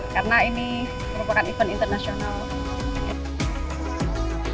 karena ini merupakan event internasional